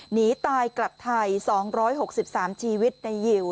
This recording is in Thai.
หนีตายกลับไทย๒๖๓ชีวิตในยิว